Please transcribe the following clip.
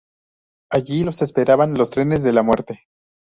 Allí los esperaban los trenes de la muerte.